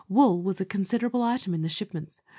Wool was a considerable item in the shipments.